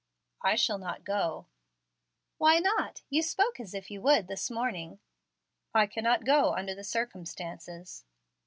"I shall not go." "Why not? You spoke as if you would, this morning." "I cannot go under the circumstances."